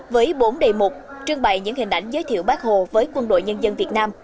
với bốn đề mục trương bày những hình ảnh giới thiệu bác hồ với quân đội nhân dân việt nam